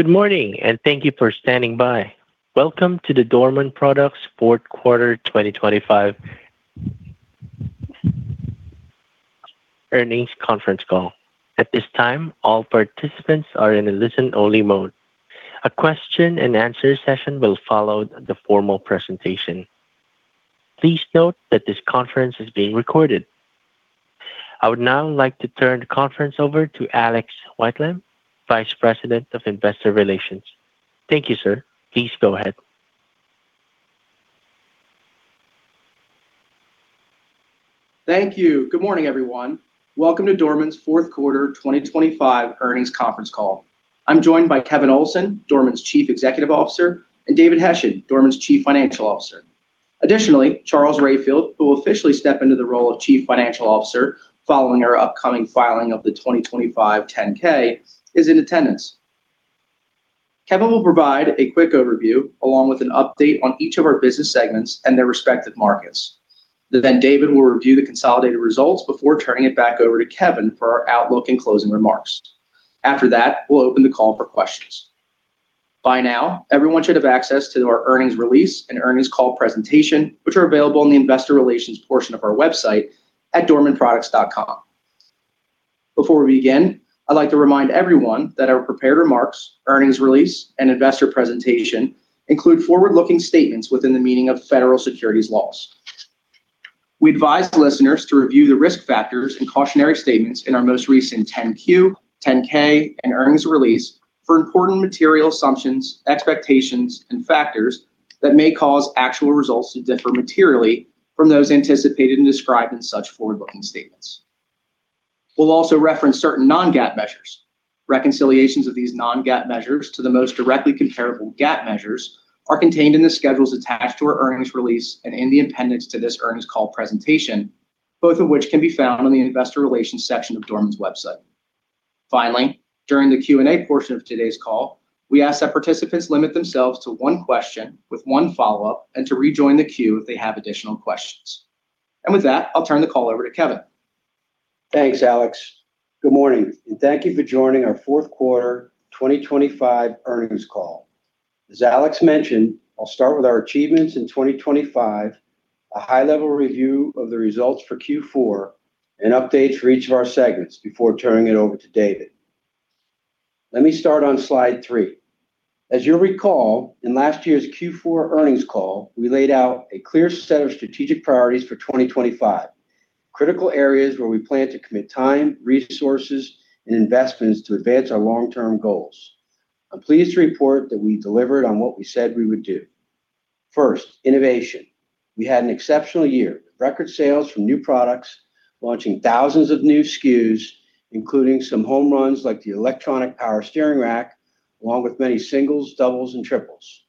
Good morning. Thank you for standing by. Welcome to the Dorman Products Fourth Quarter 2025 Earnings Conference Call. At this time, all participants are in a listen-only mode. A question and answer session will follow the formal presentation. Please note that this conference is being recorded. I would now like to turn the conference over to Alex Whitelam, Vice President of Investor Relations. Thank you, sir. Please go ahead. Thank you. Good morning, everyone. Welcome to Dorman's Fourth Quarter 2025 Earnings Conference Call. I'm joined by Kevin Olsen, Dorman's Chief Executive Officer, and David Hession, Dorman's Chief Financial Officer. Additionally, Charles Rayfield, who will officially step into the role of Chief Financial Officer following our upcoming filing of the 2025 10-K, is in attendance. Kevin will provide a quick overview, along with an update on each of our business segments and their respective markets. David will review the consolidated results before turning it back over to Kevin for our outlook and closing remarks. After that, we'll open the call for questions. By now, everyone should have access to our earnings release and earnings call presentation, which are available on the investor relations portion of our website at dormanproducts.com. Before we begin, I'd like to remind everyone that our prepared remarks, earnings release, and investor presentation include forward-looking statements within the meaning of federal securities laws. We advise listeners to review the risk factors and cautionary statements in our most recent 10-Q, 10-K, and earnings release for important material assumptions, expectations, and factors that may cause actual results to differ materially from those anticipated and described in such forward-looking statements. We'll also reference certain non-GAAP measures. Reconciliations of these non-GAAP measures to the most directly comparable GAAP measures are contained in the schedules attached to our earnings release and in the appendix to this earnings call presentation, both of which can be found on the investor relations section of Dorman's website. Finally, during the Q&A portion of today's call, we ask that participants limit themselves to one question with one follow-up and to rejoin the queue if they have additional questions. With that, I'll turn the call over to Kevin. Thanks, Alex. Good morning, and thank you for joining our fourth quarter 2025 earnings call. As Alex mentioned, I'll start with our achievements in 2025, a high-level review of the results for Q4, and updates for each of our segments before turning it over to David. Let me start on slide three. As you'll recall, in last year's Q4 earnings call, we laid out a clear set of strategic priorities for 2025, critical areas where we plan to commit time, resources, and investments to advance our long-term goals. I'm pleased to report that we delivered on what we said we would do. First, innovation. We had an exceptional year, record sales from new products, launching thousands of new SKUs, including some home runs like the electronic power steering rack, along with many singles, doubles, and triples.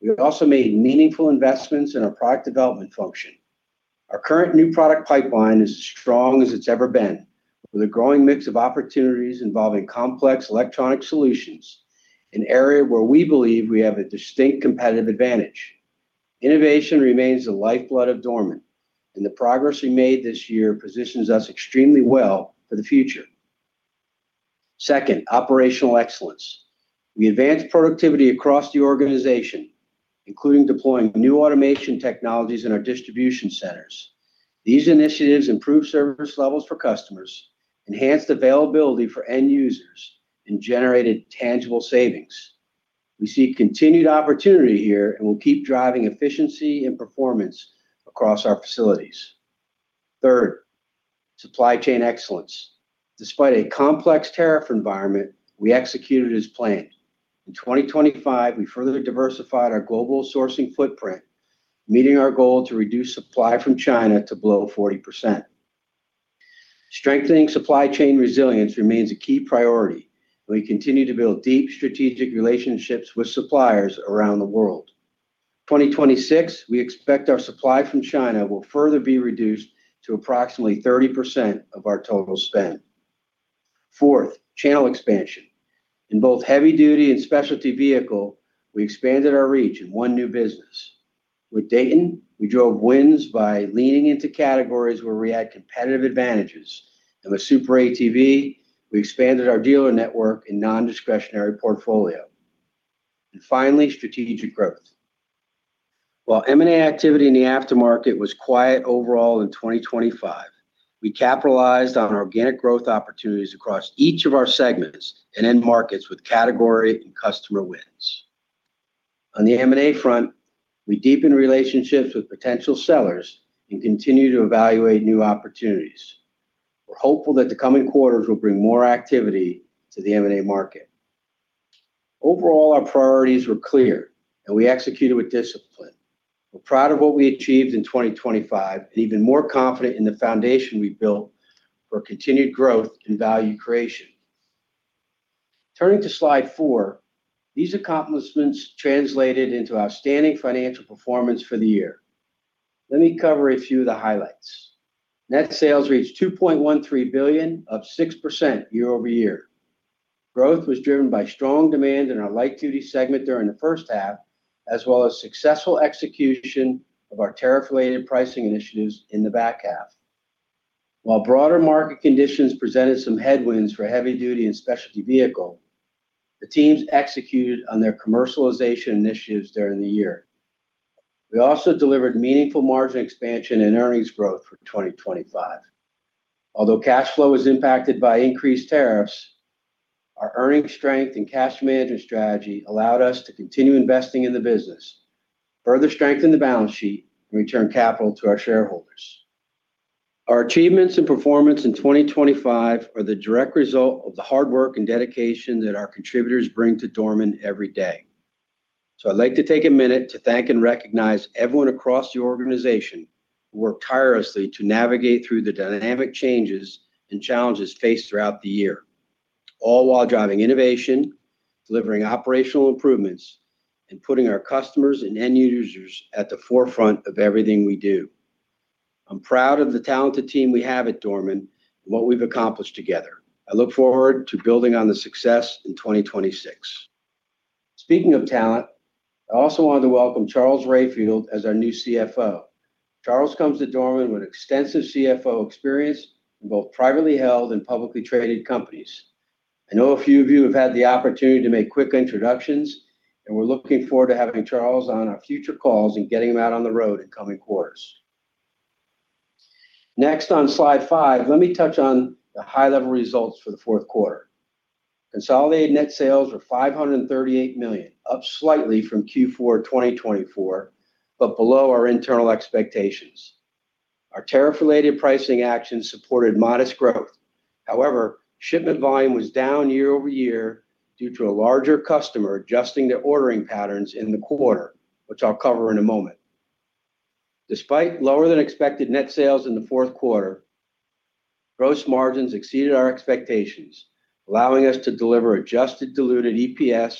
We have also made meaningful investments in our product development function. Our current new product pipeline is as strong as it's ever been, with a growing mix of opportunities involving complex electronic solutions, an area where we believe we have a distinct competitive advantage. Innovation remains the lifeblood of Dorman, and the progress we made this year positions us extremely well for the future. Second, operational excellence. We advanced productivity across the organization, including deploying new automation technologies in our distribution centers. These initiatives improved service levels for customers, enhanced availability for end users, and generated tangible savings. We see continued opportunity here and will keep driving efficiency and performance across our facilities. Third, supply chain excellence. Despite a complex tariff environment, we executed as planned. In 2025, we further diversified our global sourcing footprint, meeting our goal to reduce supply from China to below 40%. Strengthening supply chain resilience remains a key priority. We continue to build deep strategic relationships with suppliers around the world. 2026, we expect our supply from China will further be reduced to approximately 30% of our total spend. Fourth, channel expansion. In both heavy-duty and specialty vehicle, we expanded our reach in one new business. With Dayton, we drove wins by leaning into categories where we had competitive advantages, and with SuperATV, we expanded our dealer network and non-discretionary portfolio. Finally, strategic growth. While M&A activity in the aftermarket was quiet overall in 2025, we capitalized on our organic growth opportunities across each of our segments and end markets with category and customer wins. On the M&A front, we deepened relationships with potential sellers and continue to evaluate new opportunities. We're hopeful that the coming quarters will bring more activity to the M&A market. Overall, our priorities were clear, and we executed with discipline. We're proud of what we achieved in 2025 and even more confident in the foundation we've built for continued growth and value creation. Turning to slide four, these accomplishments translated into outstanding financial performance for the year. Let me cover a few of the highlights. Net sales reached $2.13 billion, up 6% year-over-year. Growth was driven by strong demand in our light-duty segment during the first half, as well as successful execution of our tariff-related pricing initiatives in the back half. While broader market conditions presented some headwinds for heavy-duty and specialty vehicle, the teams executed on their commercialization initiatives during the year. We also delivered meaningful margin expansion and earnings growth for 2025. Although cash flow was impacted by increased tariffs, our earnings strength and cash management strategy allowed us to continue investing in the business, further strengthen the balance sheet, and return capital to our shareholders. Our achievements and performance in 2025 are the direct result of the hard work and dedication that our contributors bring to Dorman every day. I'd like to take a minute to thank and recognize everyone across the organization, who worked tirelessly to navigate through the dynamic changes and challenges faced throughout the year, all while driving innovation, delivering operational improvements, and putting our customers and end users at the forefront of everything we do. I'm proud of the talented team we have at Dorman and what we've accomplished together. I look forward to building on this success in 2026. Speaking of talent, I also wanted to welcome Charles Rayfield as our new CFO. Charles comes to Dorman with extensive CFO experience in both privately held and publicly traded companies. I know a few of you have had the opportunity to make quick introductions. We're looking forward to having Charles on our future calls and getting him out on the road in coming quarters. Next, on slide five, let me touch on the high-level results for the fourth quarter. Consolidated net sales were $538 million, up slightly from Q4 2024, but below our internal expectations. Our tariff-related pricing actions supported modest growth. However, shipment volume was down year-over-year due to a larger customer adjusting their ordering patterns in the quarter, which I'll cover in a moment. Despite lower than expected net sales in the fourth quarter, gross margins exceeded our expectations, allowing us to deliver adjusted diluted EPS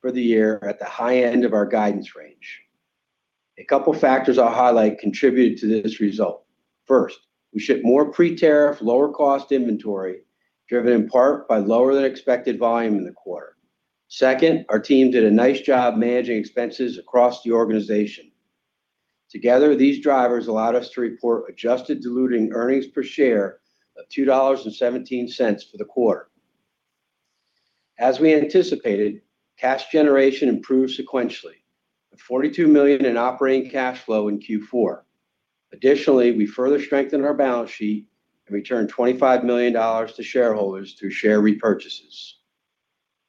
for the year at the high end of our guidance range. A couple of factors I'll highlight contributed to this result. First, we shipped more pre-tariff, lower-cost inventory, driven in part by lower than expected volume in the quarter. Second, our team did a nice job managing expenses across the organization. Together, these drivers allowed us to report adjusted diluted earnings per share of $2.17 for the quarter. As we anticipated, cash generation improved sequentially, with $42 million in operating cash flow in Q4. Additionally, we further strengthened our balance sheet and returned $25 million to shareholders through share repurchases.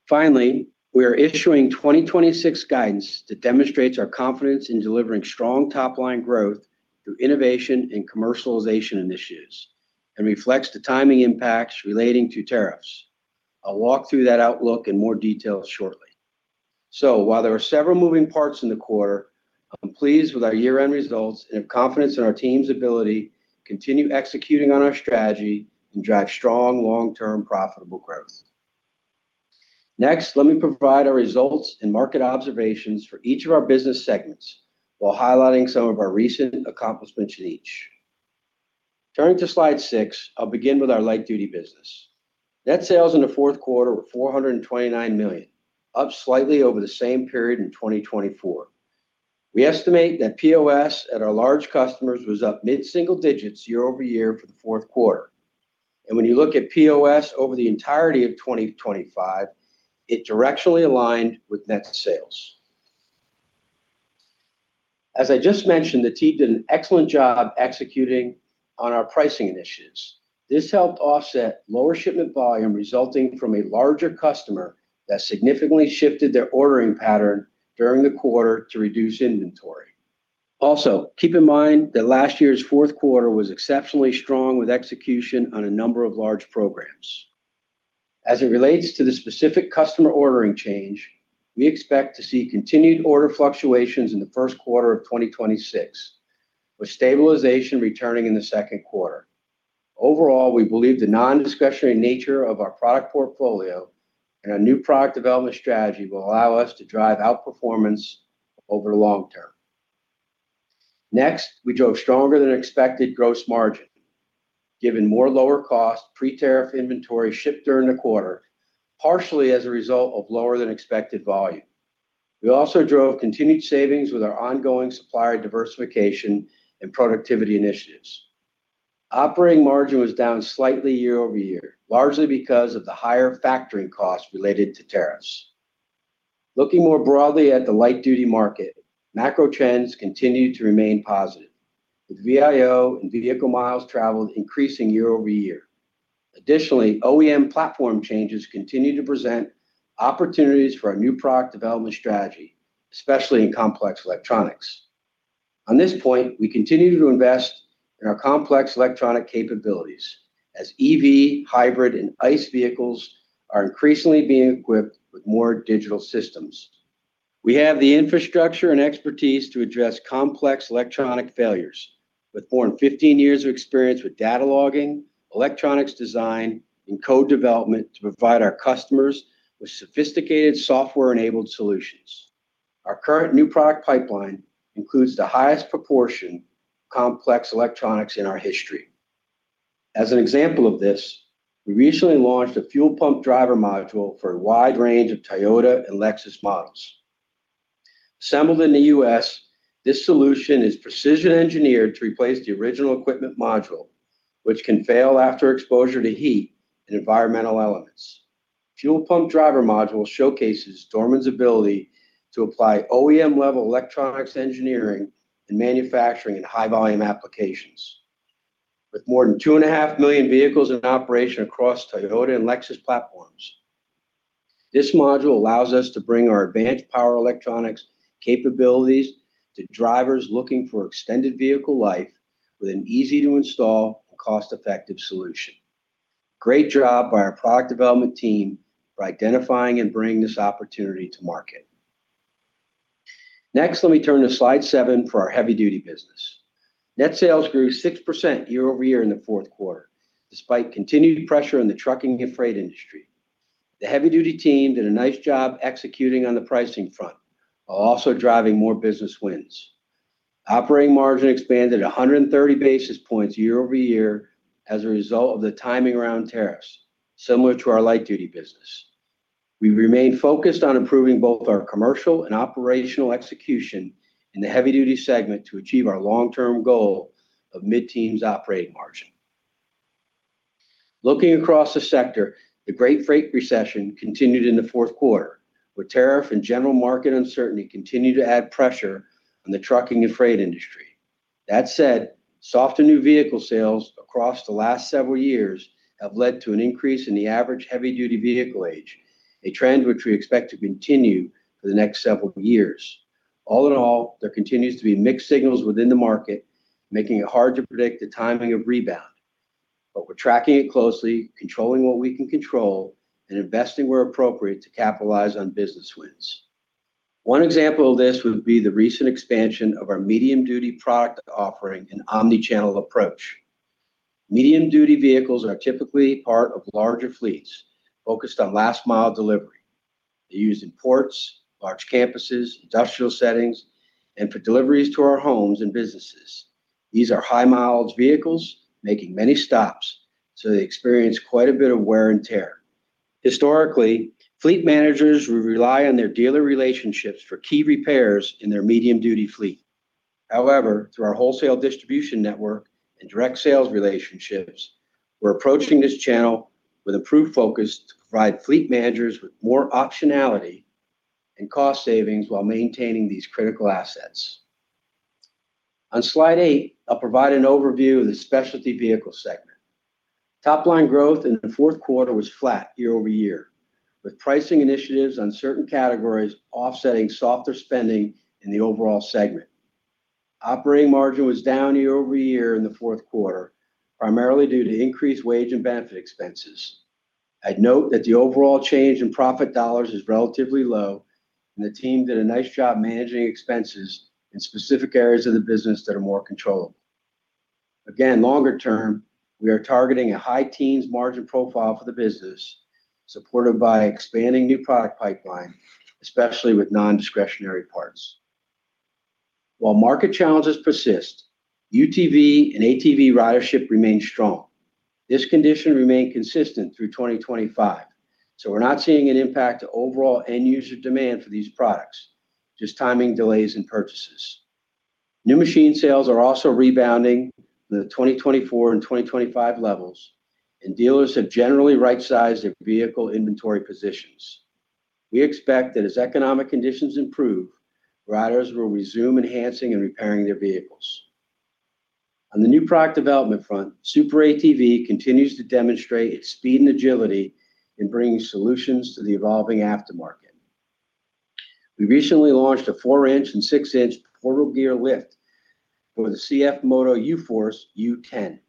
We are issuing 2026 guidance that demonstrates our confidence in delivering strong top-line growth through innovation and commercialization initiatives and reflects the timing impacts relating to tariffs. I'll walk through that outlook in more detail shortly. While there are several moving parts in the quarter, I'm pleased with our year-end results and have confidence in our team's ability to continue executing on our strategy and drive strong, long-term, profitable growth. Let me provide our results and market observations for each of our business segments while highlighting some of our recent accomplishments in each. Turning to Slide six, I'll begin with our light-duty business. Net sales in the fourth quarter were $429 million, up slightly over the same period in 2024. We estimate that POS at our large customers was up mid-single digits year-over-year for the fourth quarter. When you look at POS over the entirety of 2025, it directionally aligned with net sales. As I just mentioned, the team did an excellent job executing on our pricing initiatives. This helped offset lower shipment volume resulting from a larger customer that significantly shifted their ordering pattern during the quarter to reduce inventory. Keep in mind that last year's fourth quarter was exceptionally strong, with execution on a number of large programs. As it relates to the specific customer ordering change, we expect to see continued order fluctuations in the first quarter of 2026, with stabilization returning in the second quarter. Overall, we believe the non-discretionary nature of our product portfolio and our new product development strategy will allow us to drive outperformance over the long term. We drove stronger than expected gross margin, given more lower cost pre-tariff inventory shipped during the quarter, partially as a result of lower than expected volume. We also drove continued savings with our ongoing supplier diversification and productivity initiatives. Operating margin was down slightly year-over-year, largely because of the higher factoring costs related to tariffs. Looking more broadly at the light-duty market, macro trends continue to remain positive, with VIO and vehicle miles traveled increasing year-over-year. Additionally, OEM platform changes continue to present opportunities for our new product development strategy, especially in complex electronics. On this point, we continue to invest in our complex electronic capabilities as EV, hybrid, and ICE vehicles are increasingly being equipped with more digital systems. We have the infrastructure and expertise to address complex electronic failures, with more than 15 years of experience with data logging, electronics design, and code development to provide our customers with sophisticated, software-enabled solutions. Our current new product pipeline includes the highest proportion of complex electronics in our history. As an example of this, we recently launched a fuel pump driver module for a wide range of Toyota and Lexus models. Assembled in the U.S., this solution is precision engineered to replace the original equipment module, which can fail after exposure to heat and environmental elements. Fuel pump driver module showcases Dorman's ability to apply OEM-level electronics engineering and manufacturing in high-volume applications. With more than 2.5 million vehicles in operation across Toyota and Lexus platforms, this module allows us to bring our advanced power electronics capabilities to drivers looking for extended vehicle life with an easy-to-install, cost-effective solution. Great job by our product development team for identifying and bringing this opportunity to market. Next, let me turn to slide seven for our Heavy Duty business. Net sales grew 6% year-over-year in the fourth quarter, despite continued pressure in the trucking and freight industry. The Heavy Duty team did a nice job executing on the pricing front, while also driving more business wins. Operating margin expanded 130 basis points year-over-year as a result of the timing around tariffs, similar to our Light Duty business. We remain focused on improving both our commercial and operational execution in the Heavy Duty segment to achieve our long-term goal of mid-teens operating margin. Looking across the sector, the great freight recession continued in the fourth quarter, where tariff and general market uncertainty continued to add pressure on the trucking and freight industry. That said, softer new vehicle sales across the last several years have led to an increase in the average heavy-duty vehicle age, a trend which we expect to continue for the next several years. All in all, there continues to be mixed signals within the market, making it hard to predict the timing of rebound. We're tracking it closely, controlling what we can control, and investing where appropriate to capitalize on business wins. One example of this would be the recent expansion of our medium-duty product offering and omnichannel approach. Medium-duty vehicles are typically part of larger fleets focused on last-mile delivery. They're used in ports, large campuses, industrial settings, and for deliveries to our homes and businesses. These are high-mileage vehicles making many stops, so they experience quite a bit of wear and tear. Historically, fleet managers would rely on their dealer relationships for key repairs in their medium-duty fleet. However, through our wholesale distribution network and direct sales relationships, we're approaching this channel with improved focus to provide fleet managers with more optionality and cost savings while maintaining these critical assets. On slide eight, I'll provide an overview of the Specialty Vehicle segment. Top-line growth in the fourth quarter was flat year-over-year, with pricing initiatives on certain categories offsetting softer spending in the overall segment. Operating margin was down year-over-year in the fourth quarter, primarily due to increased wage and benefit expenses. I'd note that the overall change in profit dollars is relatively low. The team did a nice job managing expenses in specific areas of the business that are more controllable. Again, longer term, we are targeting a high-teens margin profile for the business, supported by expanding new product pipeline, especially with non-discretionary parts. While market challenges persist, UTV and ATV ridership remains strong. This condition will remain consistent through 2025. We're not seeing an impact to overall end-user demand for these products, just timing delays in purchases. New machine sales are also rebounding the 2024 and 2025 levels. Dealers have generally right-sized their vehicle inventory positions. We expect that as economic conditions improve, riders will resume enhancing and repairing their vehicles. On the new product development front, SuperATV continues to demonstrate its speed and agility in bringing solutions to the evolving aftermarket. We recently launched a four-inch and six-inch portal gear lift for the CFMOTO UFORCE UTen.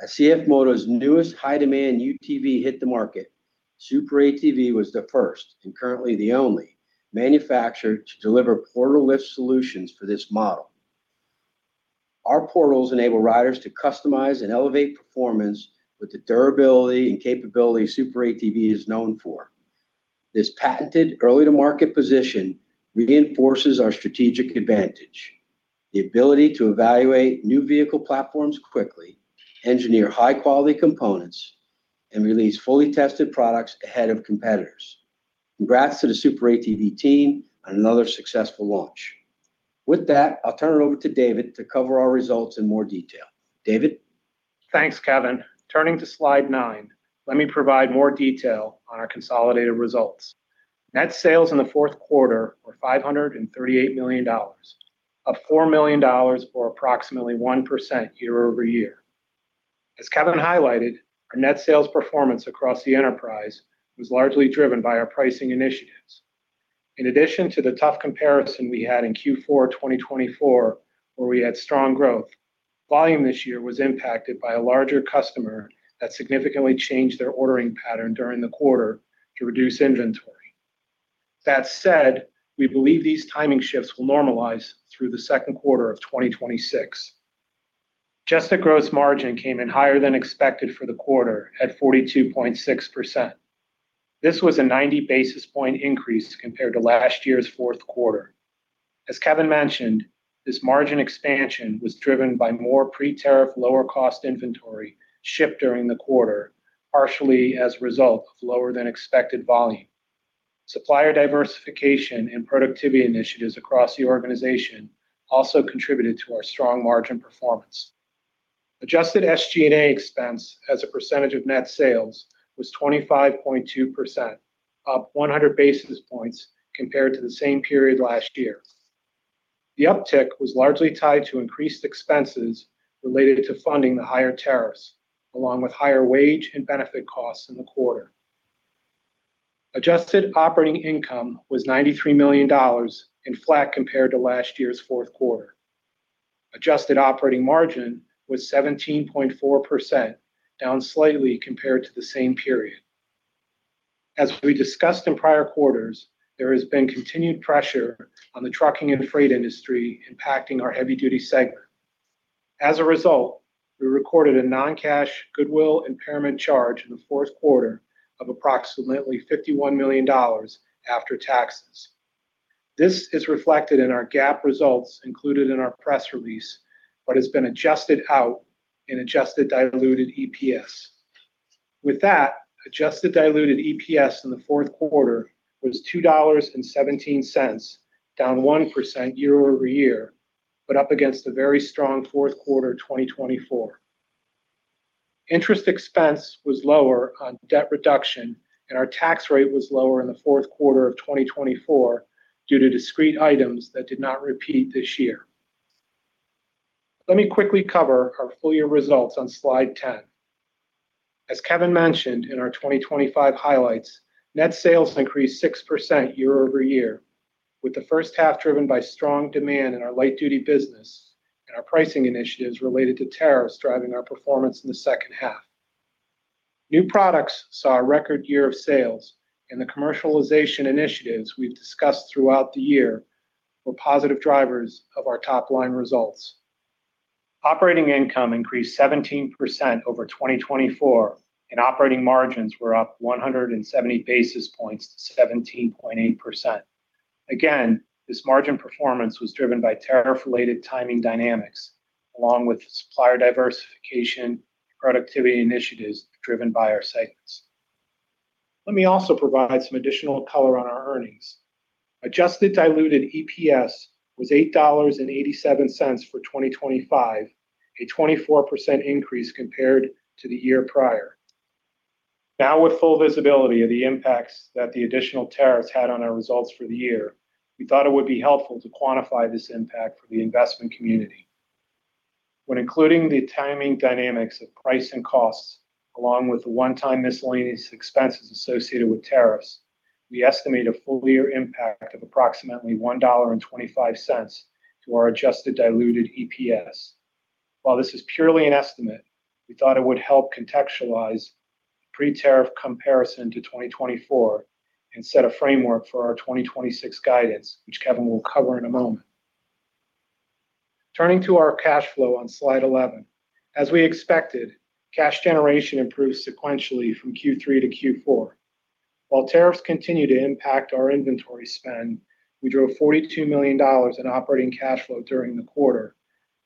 As CFMOTO's newest high-demand UTV hit the market, SuperATV was the first, and currently the only, manufacturer to deliver portal lift solutions for this model. Our portals enable riders to customize and elevate performance with the durability and capability SuperATV is known for. This patented early-to-market position reinforces our strategic advantage, the ability to evaluate new vehicle platforms quickly, engineer high-quality components, and release fully tested products ahead of competitors. Congrats to the SuperATV team on another successful launch. With that, I'll turn it over to David to cover our results in more detail. David? Thanks, Kevin. Turning to slide nine, let me provide more detail on our consolidated results. Net sales in the fourth quarter were $538 million, up $4 million or approximately 1% year-over-year. As Kevin highlighted, our net sales performance across the enterprise was largely driven by our pricing initiatives. In addition to the tough comparison we had in Q4 2024, where we had strong growth, volume this year was impacted by a larger customer that significantly changed their ordering pattern during the quarter to reduce inventory. That said, we believe these timing shifts will normalize through the second quarter of 2026. Adjusted gross margin came in higher than expected for the quarter at 42.6%. This was a 90 basis point increase compared to last year's fourth quarter. As Kevin mentioned. This margin expansion was driven by more pre-tariff, lower-cost inventory shipped during the quarter, partially as a result of lower-than-expected volume. Supplier diversification and productivity initiatives across the organization also contributed to our strong margin performance. Adjusted SG&A expense as a percentage of net sales was 25.2%, up 100 basis points compared to the same period last year. The uptick was largely tied to increased expenses related to funding the higher tariffs, along with higher wage and benefit costs in the quarter. Adjusted operating income was $93 million and flat compared to last year's fourth quarter. Adjusted operating margin was 17.4%, down slightly compared to the same period. As we discussed in prior quarters, there has been continued pressure on the trucking and freight industry, impacting our heavy-duty segment. As a result, we recorded a non-cash goodwill impairment charge in the fourth quarter of approximately $51 million after taxes. This is reflected in our GAAP results included in our press release, but has been adjusted out in adjusted diluted EPS. With that, adjusted diluted EPS in the fourth quarter was $2.17, down 1% year-over-year, but up against a very strong fourth quarter, 2024. Interest expense was lower on debt reduction, and our tax rate was lower in the fourth quarter of 2024 due to discrete items that did not repeat this year. Let me quickly cover our full year results on slide 10. As Kevin mentioned in our 2025 highlights, net sales increased 6% year-over-year, with the first half driven by strong demand in our light-duty business and our pricing initiatives related to tariffs driving our performance in the second half. New products saw a record year of sales, the commercialization initiatives we've discussed throughout the year were positive drivers of our top-line results. Operating income increased 17% over 2024, operating margins were up 170 basis points to 17.8%. Again, this margin performance was driven by tariff-related timing dynamics, along with supplier diversification, productivity initiatives driven by our segments. Let me also provide some additional color on our earnings. Adjusted diluted EPS was $8.87 for 2025, a 24% increase compared to the year prior. Now, with full visibility of the impacts that the additional tariffs had on our results for the year, we thought it would be helpful to quantify this impact for the investment community. When including the timing dynamics of price and costs, along with the one-time miscellaneous expenses associated with tariffs, we estimate a full year impact of approximately $1.25 to our adjusted diluted EPS. While this is purely an estimate, we thought it would help contextualize pre-tariff comparison to 2024 and set a framework for our 2026 guidance, which Kevin will cover in a moment. Turning to our cash flow on slide 11. As we expected, cash generation improved sequentially from Q3 to Q4. While tariffs continued to impact our inventory spend, we drove $42 million in operating cash flow during the quarter,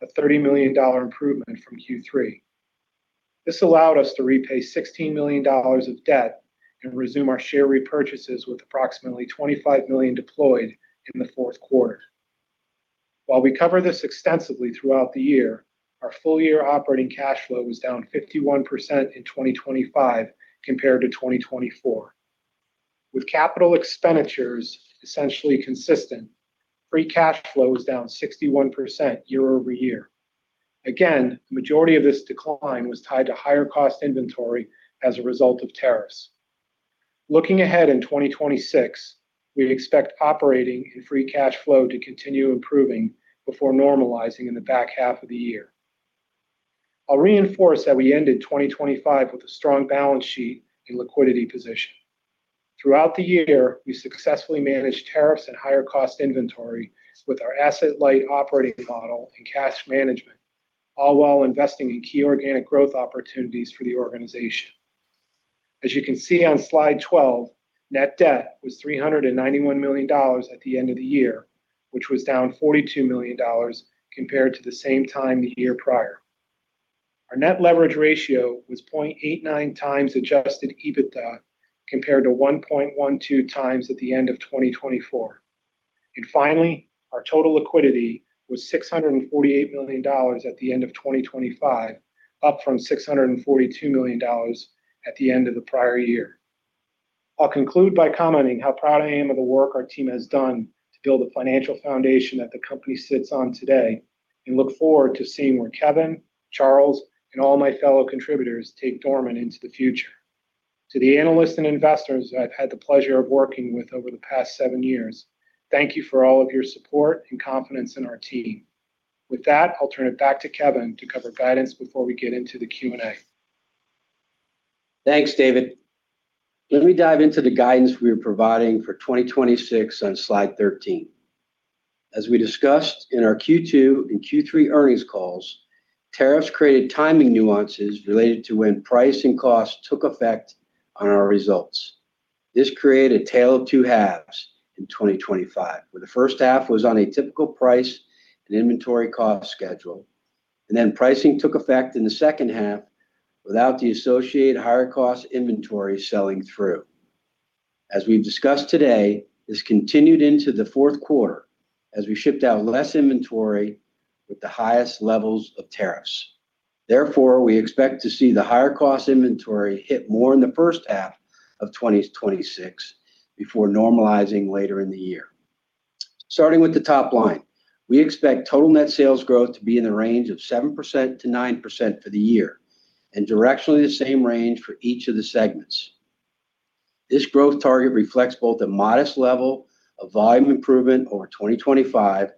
a $30 million improvement from Q3. This allowed us to repay $16 million of debt and resume our share repurchases, with approximately $25 million deployed in the fourth quarter. While we cover this extensively throughout the year, our full-year operating cash flow was down 51% in 2025 compared to 2024. With capital expenditures essentially consistent, free cash flow is down 61% year-over-year. Again, the majority of this decline was tied to higher cost inventory as a result of tariffs. Looking ahead in 2026, we'd expect operating and free cash flow to continue improving before normalizing in the back half of the year. I'll reinforce that we ended 2025 with a strong balance sheet and liquidity position. Throughout the year, we successfully managed tariffs and higher cost inventory with our asset-light operating model and cash management, all while investing in key organic growth opportunities for the organization. As you can see on slide 12, net debt was $391 million at the end of the year, which was down $42 million compared to the same time the year prior. Our net leverage ratio was 0.89 times adjusted EBITDA, compared to 1.12 times at the end of 2024. Finally, our total liquidity was $648 million at the end of 2025, up from $642 million at the end of the prior year. I'll conclude by commenting how proud I am of the work our team has done to build the financial foundation that the company sits on today, and look forward to seeing where Kevin, Charles, and all my fellow contributors take Dorman into the future. To the analysts and investors that I've had the pleasure of working with over the past seven years, thank you for all of your support and confidence in our team. With that, I'll turn it back to Kevin to cover guidance before we get into the Q&A. Thanks, David. Let me dive into the guidance we are providing for 2026 on slide 13. As we discussed in our Q2 and Q3 earnings calls, tariffs created timing nuances related to when price and cost took effect on our results. This created a tale of two halves in 2025, where the first half was on a typical price and inventory cost schedule, and then pricing took effect in the second half without the associated higher cost inventory selling through. As we've discussed today, this continued into the fourth quarter as we shipped out less inventory with the highest levels of tariffs. Therefore, we expect to see the higher cost inventory hit more in the first half of 2026 before normalizing later in the year. Starting with the top line, we expect total net sales growth to be in the range of 7%-9% for the year, and directionally the same range for each of the segments. This growth target reflects both a modest level of volume improvement over 2025,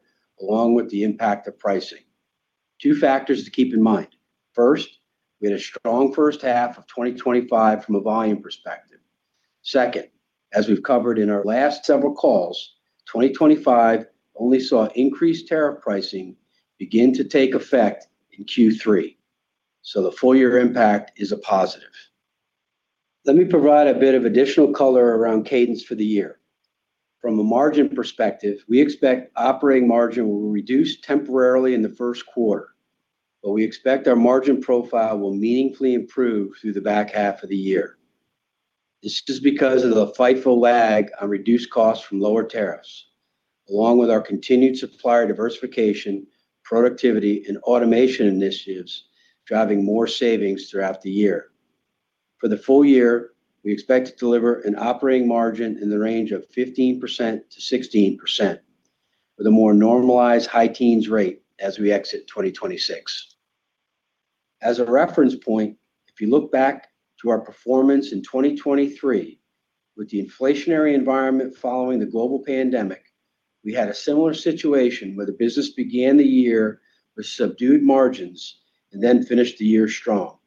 along with the impact of pricing. Two factors to keep in mind: First, we had a strong first half of 2025 from a volume perspective. Second, as we've covered in our last several calls, 2025 only saw increased tariff pricing begin to take effect in Q3, so the full year impact is a positive. Let me provide a bit of additional color around cadence for the year. From a margin perspective, we expect operating margin will reduce temporarily in the first quarter, but we expect our margin profile will meaningfully improve through the back half of the year. This is because of the FIFO lag on reduced costs from lower tariffs, along with our continued supplier diversification, productivity, and automation initiatives, driving more savings throughout the year. For the full year, we expect to deliver an operating margin in the range of 15%-16%, with a more normalized high teens rate as we exit 2026. As a reference point, if you look back to our performance in 2023, with the inflationary environment following the global pandemic, we had a similar situation where the business began the year with subdued margins and then finished the year strong.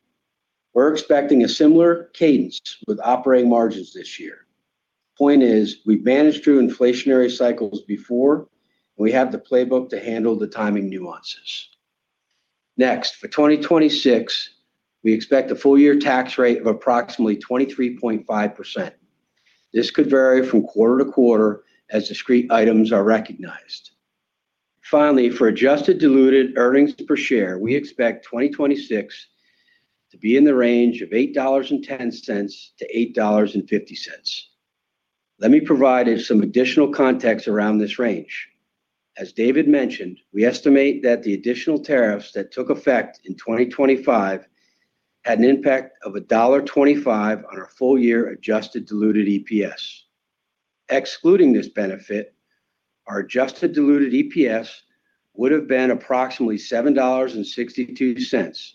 We're expecting a similar cadence with operating margins this year. Point is, we've managed through inflationary cycles before, and we have the playbook to handle the timing nuances. Next, for 2026, we expect a full year tax rate of approximately 23.5%. This could vary from quarter to quarter as discrete items are recognized. Finally, for adjusted diluted earnings per share, we expect 2026 to be in the range of $8.10-$8.50. Let me provide some additional context around this range. As David mentioned, we estimate that the additional tariffs that took effect in 2025 had an impact of $1.25 on our full year adjusted diluted EPS. Excluding this benefit, our adjusted diluted EPS would have been approximately $7.62,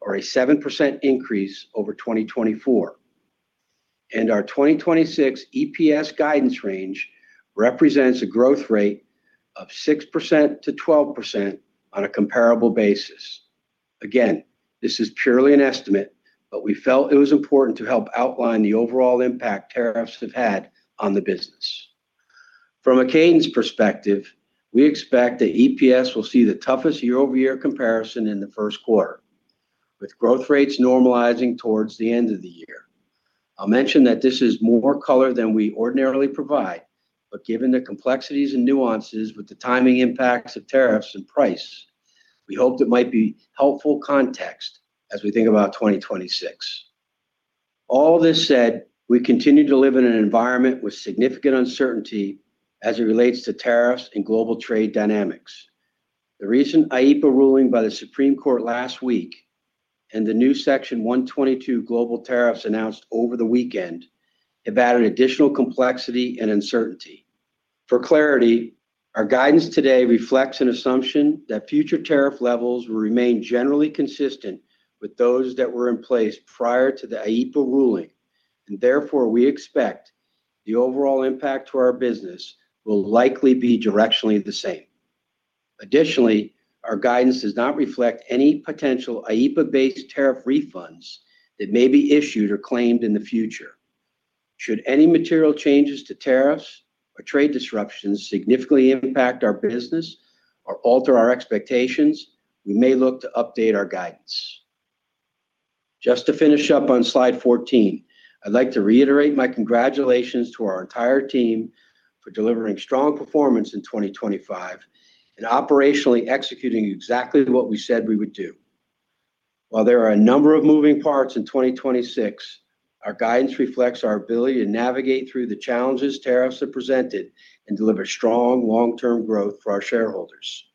or a 7% increase over 2024. Our 2026 EPS guidance range represents a growth rate of 6%-12% on a comparable basis. Again, this is purely an estimate, but we felt it was important to help outline the overall impact tariffs have had on the business. From a cadence perspective, we expect that EPS will see the toughest year-over-year comparison in the first quarter, with growth rates normalizing towards the end of the year. I'll mention that this is more color than we ordinarily provide, but given the complexities and nuances with the timing impacts of tariffs and price, we hoped it might be helpful context as we think about 2026. All this said, we continue to live in an environment with significant uncertainty as it relates to tariffs and global trade dynamics. The recent IEPA ruling by the Supreme Court last week and the new Section 122 global tariffs announced over the weekend have added additional complexity and uncertainty. For clarity, our guidance today reflects an assumption that future tariff levels will remain generally consistent with those that were in place prior to the IEPA ruling, and therefore, we expect the overall impact to our business will likely be directionally the same. Additionally, our guidance does not reflect any potential IEPA-based tariff refunds that may be issued or claimed in the future. Should any material changes to tariffs or trade disruptions significantly impact our business or alter our expectations, we may look to update our guidance. Just to finish up on slide 14, I'd like to reiterate my congratulations to our entire team for delivering strong performance in 2025 and operationally executing exactly what we said we would do. While there are a number of moving parts in 2026, our guidance reflects our ability to navigate through the challenges tariffs have presented and deliver strong long-term growth for our shareholders.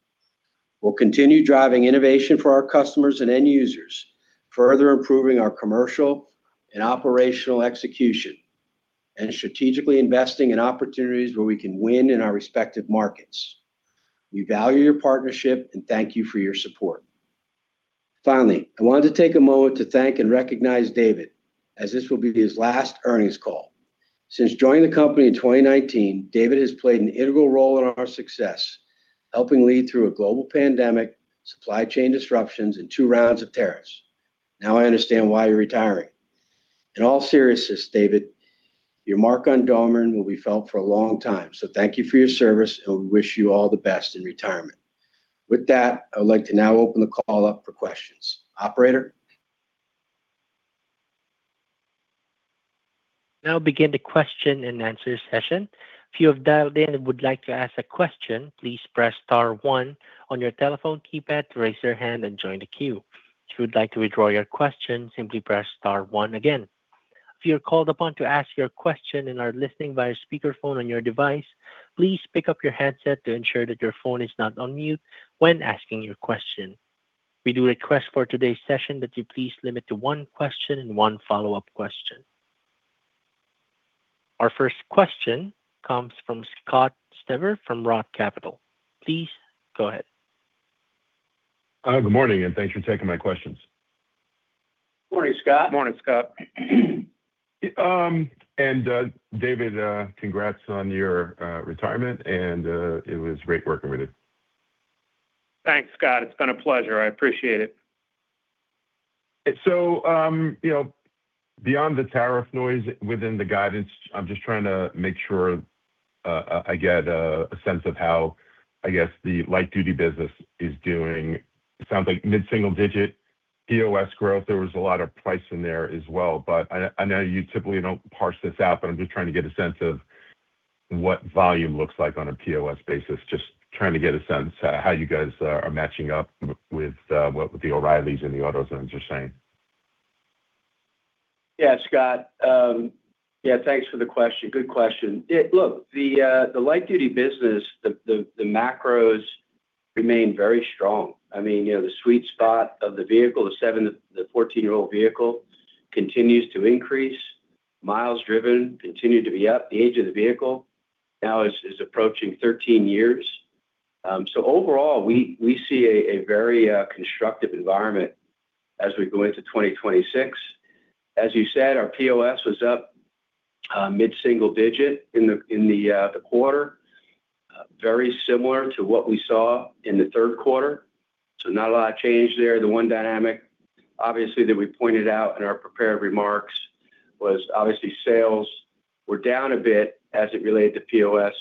We'll continue driving innovation for our customers and end users, further improving our commercial and operational execution, and strategically investing in opportunities where we can win in our respective markets. We value your partnership and thank you for your support. Finally, I wanted to take a moment to thank and recognize David, as this will be his last earnings call. Since joining the company in 2019, David has played an integral role in our success, helping lead through a global pandemic, supply chain disruptions, and two rounds of tariffs. Now I understand why you're retiring. In all seriousness, David, your mark on Dorman will be felt for a long time. Thank you for your service, and we wish you all the best in retirement. With that, I would like to now open the call up for questions. Operator? Begin the question and answer session. If you have dialed in and would like to ask a question, please press star one on your telephone keypad to raise your hand and join the queue. If you would like to withdraw your question, simply press star one again. If you're called upon to ask your question and are listening via speakerphone on your device, please pick up your headset to ensure that your phone is not on mute when asking your question. We do request for today's session that you please limit to one question and one follow-up question. Our first question comes from Scott Stember, from ROTH Capital. Please go ahead. Good morning, thanks for taking my questions. Morning, Scott. Morning, Scott. David, congrats on your retirement, and it was great working with you. Thanks, Scott. It's been a pleasure. I appreciate it. You know, beyond the tariff noise within the guidance, I'm just trying to make sure I get a sense of how, I guess, the light-duty business is doing. It sounds like mid-single-digit POS growth. There was a lot of price in there as well, but I know you typically don't parse this out, but I'm just trying to get a sense of what volume looks like on a POS basis. Just trying to get a sense of how you guys are matching up with the O'Reilly's and the AutoZones are saying. Yeah, Scott. Yeah, thanks for the question. Good question. Look, the light-duty business, the macros remain very strong. I mean, you know, the sweet spot of the vehicle, the seven, the 14-year-old vehicle, continues to increase. Miles driven continued to be up. The age of the vehicle now is approaching 13 years. Overall, we see a very constructive environment as we go into 2026. As you said, our POS was up mid-single digit in the quarter, very similar to what we saw in the third quarter. Not a lot of change there. The one dynamic, obviously, that we pointed out in our prepared remarks was obviously, sales were down a bit as it related to POS,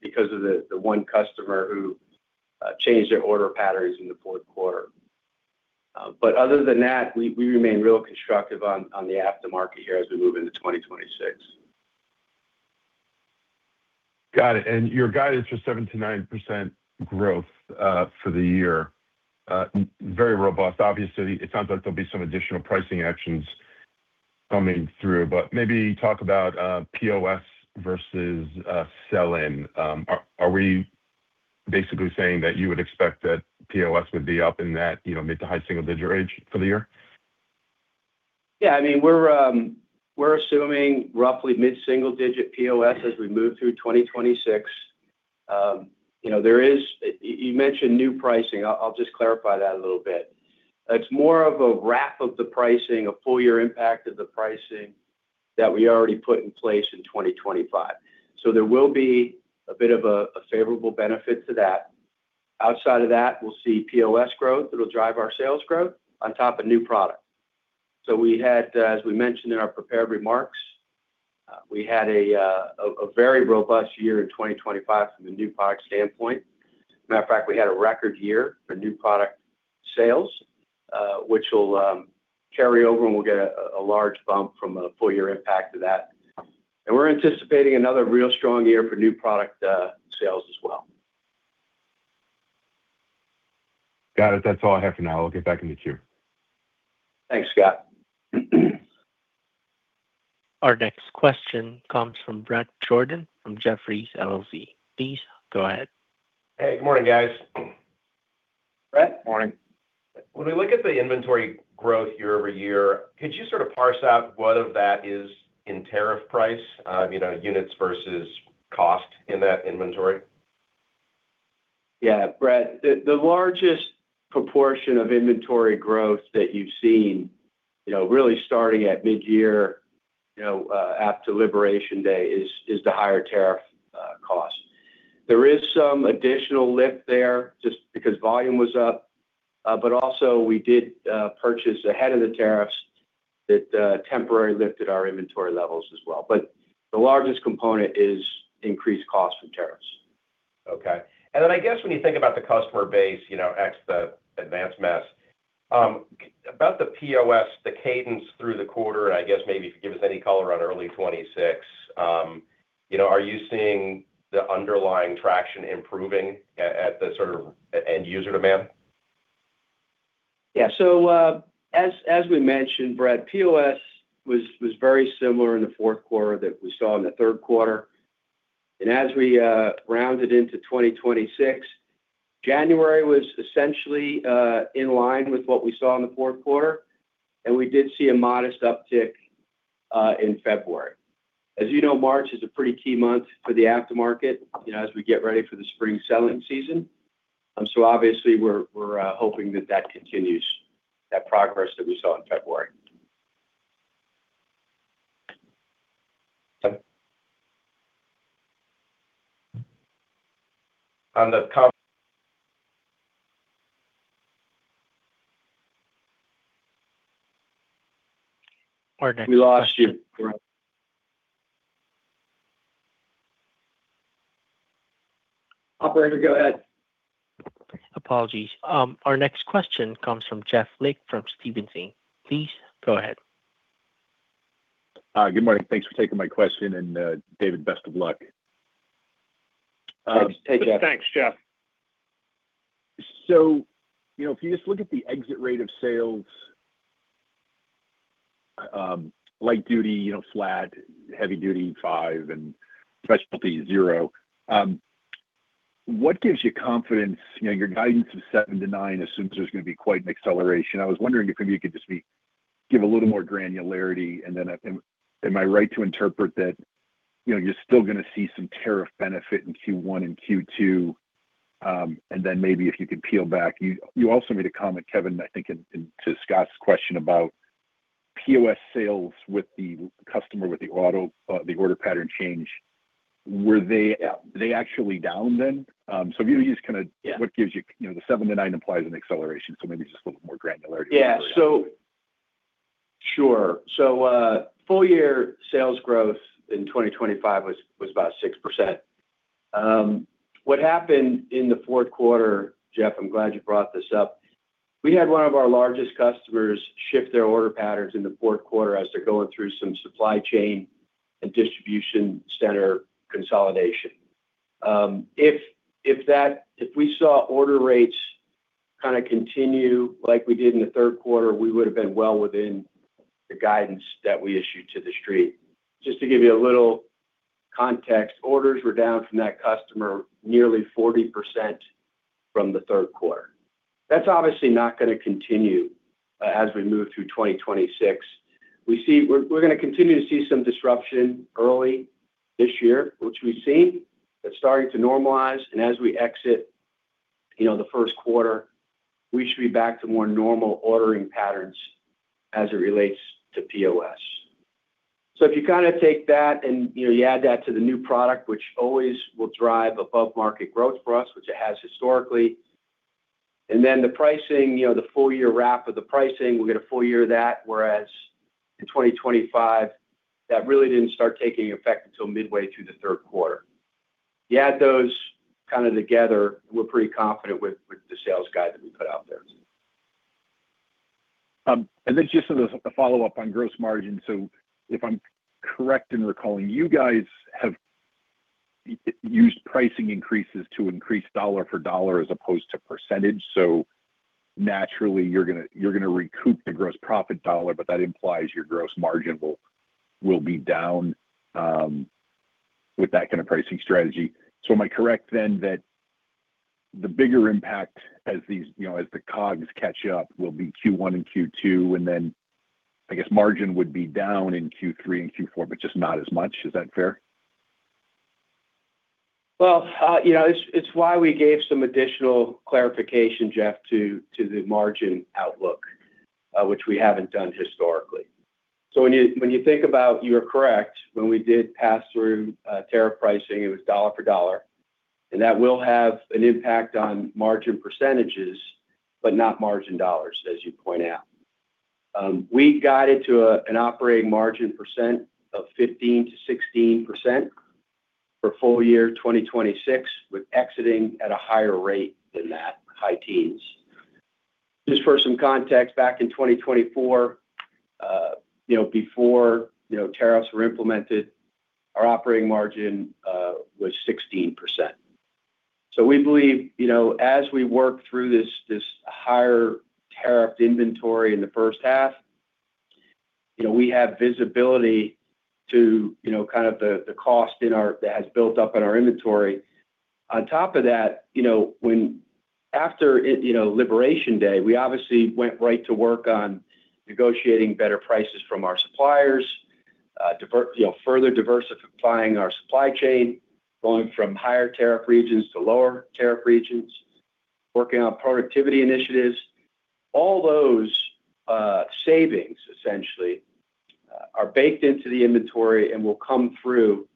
because of the one customer who changed their order patterns in the fourth quarter. Other than that, we remain real constructive on the aftermarket here as we move into 2026. Got it. Your guidance for 7% to 9% growth for the year, very robust. Obviously, it sounds like there'll be some additional pricing actions coming through, but maybe talk about POS versus sell-in. Are we basically saying that you would expect that POS would be up in that, you know, mid to high single digit range for the year? Yeah, I mean, we're assuming roughly mid single digit POS as we move through 2026. You know, you mentioned new pricing. I'll just clarify that a little bit. It's more of a wrap of the pricing, a full year impact of the pricing that we already put in place in 2025. There will be a bit of a favorable benefit to that. Outside of that, we'll see POS growth that will drive our sales growth on top of new product. We had, as we mentioned in our prepared remarks, we had a very robust year in 2025 from a new product standpoint. Matter of fact, we had a record year for new product sales, which will carry over, and we'll get a large bump from a full year impact of that. We're anticipating another real strong year for new product sales as well. Got it. That's all I have for now. I'll get back in the queue. Thanks, Scott. Our next question comes from Bret Jordan, from Jefferies LLC. Please go ahead. Hey, good morning, guys. Bret, morning. When we look at the inventory growth year-over-year, could you sort of parse out what of that is in tariff price, you know, units versus cost in that inventory? Yeah, Bret, the largest proportion of inventory growth that you've seen, you know, really starting at mid-year, you know, after Liberation Day, is the higher tariff cost. There is some additional lift there just because volume was up, but also we did purchase ahead of the tariffs that temporarily lifted our inventory levels as well, but the largest component is increased cost from tariffs. Okay. I guess when you think about the customer base, you know, X, the advanced mass, about the POS, the cadence through the quarter, and I guess maybe if you give us any color on early 26, you know, are you seeing the underlying traction improving at the sort of end-user demand? As we mentioned, Bret, POS was very similar in the fourth quarter that we saw in the third quarter. As we rounded into 2026, January was essentially in line with what we saw in the fourth quarter, and we did see a modest uptick in February. As you know, March is a pretty key month for the aftermarket, you know, as we get ready for the spring selling season. Obviously, we're hoping that that continues, that progress that we saw in February. We lost you. Operator, go ahead. Apologies. Our next question comes from Jeff Lee from Stephens Inc. Please go ahead. Good morning. Thanks for taking my question. David, best of luck. Hey, Jeff. Thanks, Jeff. You know, if you just look at the exit rate of sales, light duty, you know, flat, heavy duty, 5%, and specialty, 0%. What gives you confidence? You know, your guidance of 7%-9% assumes there's going to be quite an acceleration. I was wondering if you could just speak, give a little more granularity, and then, am I right to interpret that, you know, you're still gonna see some tariff benefit in Q1 and Q2, and then maybe if you could peel back. You also made a comment, Kevin, I think in to Scott's question about POS sales with the customer, with the auto, the order pattern change. Were they actually down then? Yeah. What gives you know, the 7%-9% implies an acceleration. Maybe just a little more granularity. Yeah, so sure. Full year sales growth in 2025 was about 6%. What happened in the fourth quarter, Jeff, I'm glad you brought this up. We had one of our largest customers shift their order patterns in the fourth quarter as they're going through some supply chain and distribution center consolidation. If we saw order rates kinda continue like we did in the third quarter, we would've been well within the guidance that we issued to the street. Just to give you a little context, orders were down from that customer, nearly 40% from the third quarter. That's obviously not gonna continue as we move through 2026. We see. We're gonna continue to see some disruption early this year, which we've seen, but starting to normalize, and as we exit, you know, the first quarter, we should be back to more normal ordering patterns as it relates to POS. If you kinda take that and, you know, you add that to the new product, which always will drive above-market growth for us, which it has historically, and then the pricing, you know, the full-year wrap of the pricing, we'll get a full year of that, whereas in 2025, that really didn't start taking effect until midway through the third quarter. You add those kinda together, we're pretty confident with the sales guide that we put out there. Just as a follow-up on gross margin. If I'm correct in recalling, you guys have used pricing increases to increase dollar for dollar as opposed to percentage. Naturally, you're gonna, you're gonna recoup the gross profit dollar, but that implies your gross margin will be down with that kind of pricing strategy. Am I correct then that the bigger impact as these, you know, as the COGS catch up, will be Q1 and Q2, and then I guess margin would be down in Q3 and Q4, but just not as much? Is that fair? Well, you know, it's why we gave some additional clarification, Jeff, to the margin outlook, which we haven't done historically. When you think about you're correct, when we did pass through tariff pricing, it was dollar for dollar, and that will have an impact on margin percentages, but not margin dollars, as you point out. We guided to an operating margin percent of 15%-16% for full year 2026, with exiting at a higher rate than that high teens. Just for some context, back in 2024, you know, before, you know, tariffs were implemented, our operating margin was 16%. We believe, you know, as we work through this higher tariff inventory in the first half, you know, we have visibility to, you know, kind of the cost that has built up in our inventory. On top of that, you know, when, after it, you know, Liberation Day, we obviously went right to work on negotiating better prices from our suppliers, you know, further diversifying our supply chain, going from higher tariff regions to lower tariff regions, working on productivity initiatives. All those, savings, essentially, are baked into the inventory and will come through,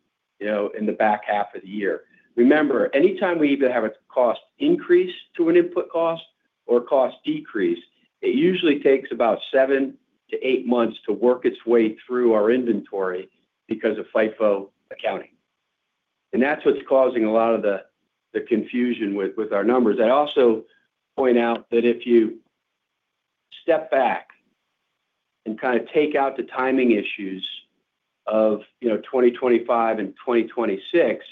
you know, in the back half of the year. Remember, anytime we either have a cost increase to an input cost or a cost decrease, it usually takes about 7 to 8 months to work its way through our inventory because of FIFO accounting, and that's what's causing a lot of the confusion with our numbers. I also point out that if you step back and kinda take out the timing issues of, you know, 2025 and 2026,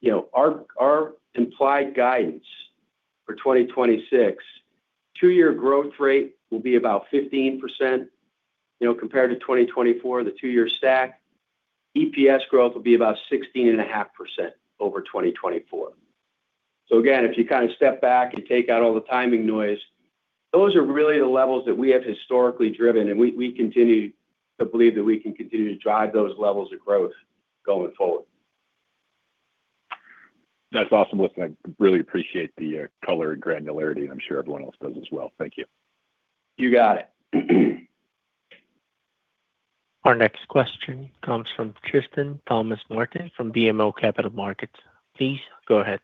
you know, our implied guidance for 2026, two-year growth rate will be about 15%, you know, compared to 2024, the two-year stack. EPS growth will be about 16.5% over 2024. Again, if you kind of step back and take out all the timing noise, those are really the levels that we have historically driven, and we continue to believe that we can continue to drive those levels of growth going forward. That's awesome. Listen, I really appreciate the color and granularity, and I'm sure everyone else does as well. Thank you. You got it. Our next question comes from Tristan M. Thomas-Martin from BMO Capital Markets. Please go ahead.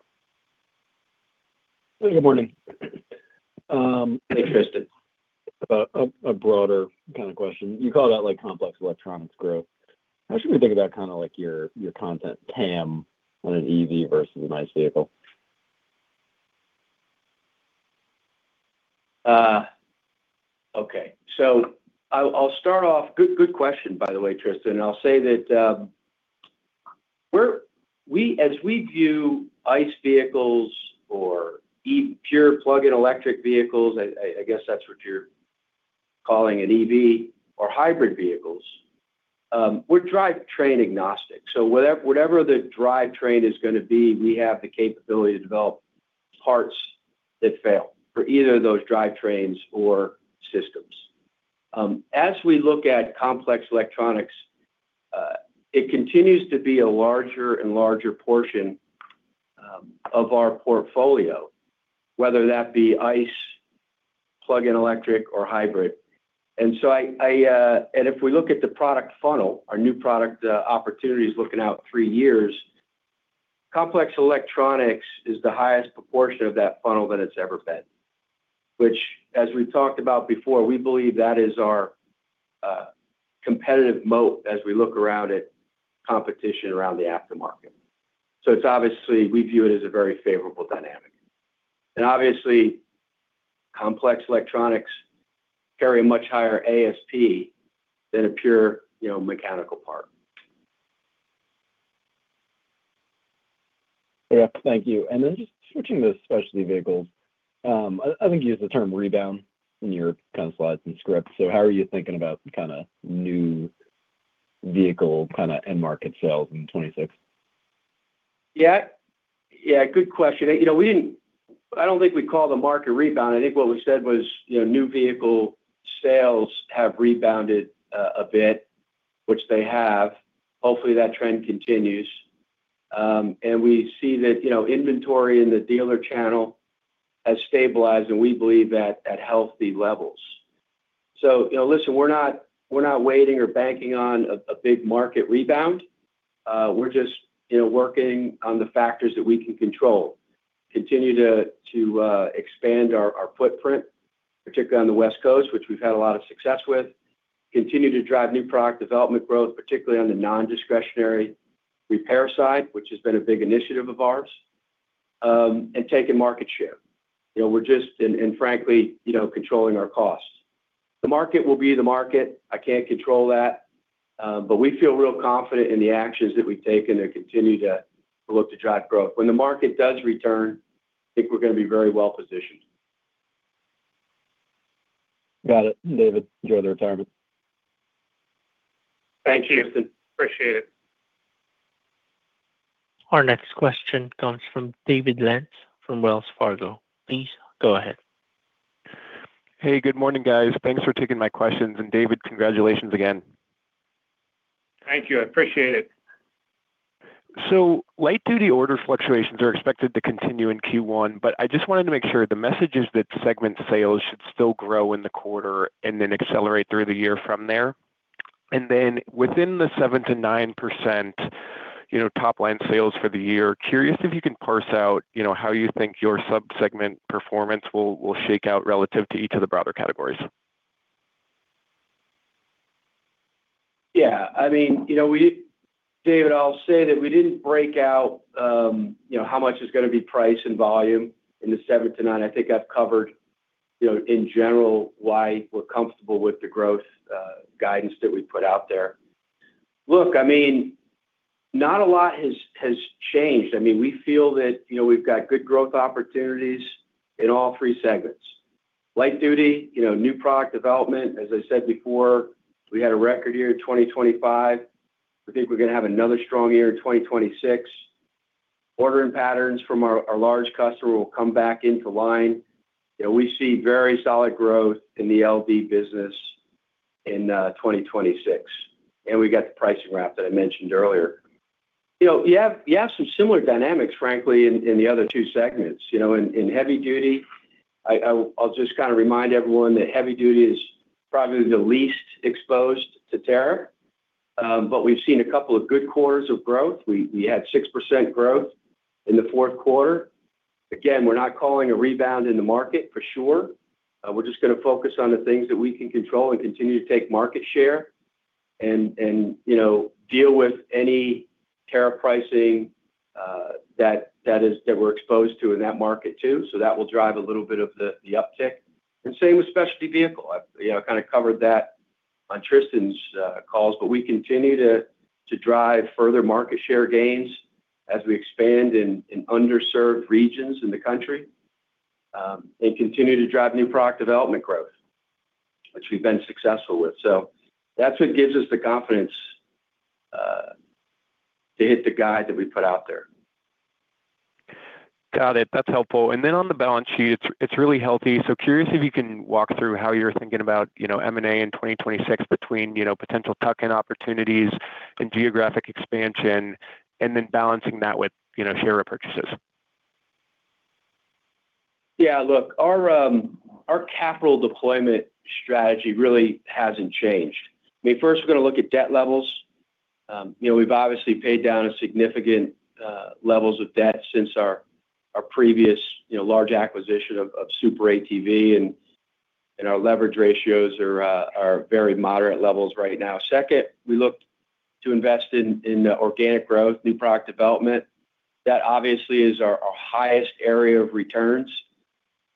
Good morning. Hey, Tristan, a broader kind of question. You call that like complex electronics growth. How should we think about kind of like your content TAM on an EV versus an ICE vehicle? Okay. I'll start off. Good question, by the way, Tristan. I'll say that, as we view ICE vehicles or EV, pure plug-in electric vehicles, I guess that's what you're calling an EV or hybrid vehicles, we're drivetrain agnostic. Whatever the drivetrain is gonna be, we have the capability to develop parts that fail for either of those drivetrains or systems. As we look at complex electronics, it continues to be a larger and larger portion of our portfolio, whether that be ICE, plug-in electric, or hybrid. If we look at the product funnel, our new product opportunity is looking out three years. Complex electronics is the highest proportion of that funnel than it's ever been, which, as we talked about before, we believe that is our competitive moat as we look around at competition around the aftermarket. It's obviously, we view it as a very favorable dynamic. Obviously, complex electronics carry a much higher ASP than a pure, you know, mechanical part. Yeah, thank you. Then just switching to specialty vehicles, I think you used the term rebound in your kind of slides and scripts. How are you thinking about the kinda new vehicle kinda end market sales in 2026? Yeah. Yeah, good question. You know, I don't think we'd call the market rebound. I think what we said was, you know, new vehicle sales have rebounded a bit, which they have. Hopefully, that trend continues. We see that, you know, inventory in the dealer channel has stabilized, and we believe that at healthy levels. You know, listen, we're not, we're not waiting or banking on a big market rebound. We're just, you know, working on the factors that we can control. Continue to expand our footprint, particularly on the West Coast, which we've had a lot of success with. Continue to drive new product development growth, particularly on the nondiscretionary repair side, which has been a big initiative of ours, and taking market share. You know, we're just, frankly, you know, controlling our costs. The market will be the market. I can't control that. We feel real confident in the actions that we've taken to continue to look to drive growth. When the market does return, I think we're gonna be very well-positioned. Got it. David, enjoy the retirement. Thank you, Tristan. Appreciate it. Our next question comes from David Lentz, from Wells Fargo. Please go ahead. Hey, good morning, guys. Thanks for taking my questions. David, congratulations again. Thank you. I appreciate it. Light-duty order fluctuations are expected to continue in Q1, but I just wanted to make sure the message is that segment sales should still grow in the quarter and then accelerate through the year from there? Within the 7%-9%, you know, top-line sales for the year, curious if you can parse out, you know, how you think your sub-segment performance will shake out relative to each of the broader categories. I mean, you know, David, I'll say that we didn't break out, you know, how much is gonna be price and volume in the 7-9%. I think I've covered, you know, in general, why we're comfortable with the growth guidance that we put out there. Look, I mean, not a lot has changed. I mean, we feel that, you know, we've got good growth opportunities in all three segments. Light duty, you know, new product development, as I said before, we had a record year in 2025. I think we're gonna have another strong year in 2026. Ordering patterns from our large customer will come back into line. You know, we see very solid growth in the LD business in 2026, and we got the pricing ramp that I mentioned earlier. You know, you have some similar dynamics, frankly, in the other two segments. You know, in heavy duty, I'll just kinda remind everyone that heavy duty is probably the least exposed to tariff, but we've seen a couple of good quarters of growth. We had 6% growth in the fourth quarter. Again, we're not calling a rebound in the market for sure. We're just gonna focus on the things that we can control and continue to take market share and, you know, deal with any tariff pricing that we're exposed to in that market too. That will drive a little bit of the uptick. Same with specialty vehicle. I've, you know, kind of covered that on Tristan's calls. We continue to drive further market share gains as we expand in underserved regions in the country, and continue to drive new product development growth, which we've been successful with. That's what gives us the confidence to hit the guide that we put out there. Got it. That's helpful. On the balance sheet, it's really healthy. Curious if you can walk through how you're thinking about, you know, M&A in 2026 between, you know, potential tuck-in opportunities and geographic expansion, and then balancing that with, you know, share repurchases. Yeah, look, our capital deployment strategy really hasn't changed. I mean, first, we're gonna look at debt levels. You know, we've obviously paid down a significant levels of debt since our previous, you know, large acquisition of SuperATV, and our leverage ratios are very moderate levels right now. Second, we look to invest in organic growth, new product development. That obviously is our highest area of returns,